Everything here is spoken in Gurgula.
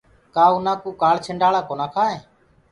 ڪآ اُنآ ڪوُ ڪآنڇنڊآزݪآ ڪونآ کآئينٚ۔